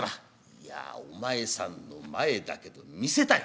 「いやお前さんの前だけど見せたい。